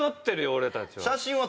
俺たちは。